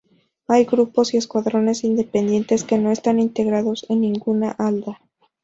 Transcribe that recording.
Hay Grupos y Escuadrones independientes que no están integrados en ninguna Ala.